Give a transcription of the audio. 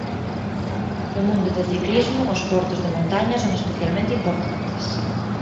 No mundo do ciclismo os portos de montaña son especialmente importantes.